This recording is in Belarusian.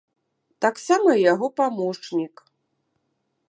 Таксама і яго памочнік.